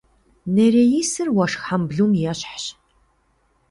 Нереисыр уэшх хьэмбылум ещхьщ.